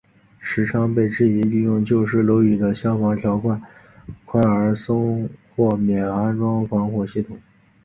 时昌被质疑利用旧式楼宇的消防条例宽松而豁免安装防火系统。